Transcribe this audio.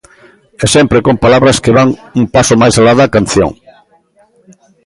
E sempre con palabras que van un paso máis alá da canción.